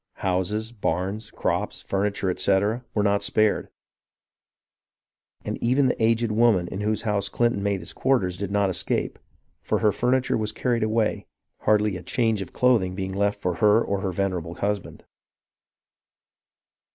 Houses, barns, crops, furniture , etc., were not spared, and even the aged woman in whose house Clinton made his quarters did not escape, for her furniture was carried away, hardly a change of clothing being left for her or her venerable husband.